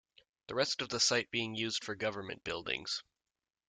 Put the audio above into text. The rest of the site being used for government buildings.